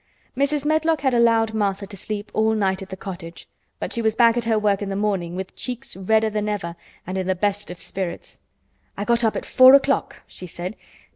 Mrs. Medlock had allowed Martha to sleep all night at the cottage, but she was back at her work in the morning with cheeks redder than ever and in the best of spirits. "I got up at four o'clock," she said.